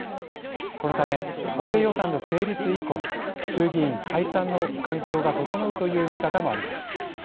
このため、補正予算の成立以降衆議院解散の環境が整うという見方もあります。